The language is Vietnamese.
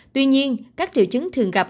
tuy nhiên các triệu chứng thường gặp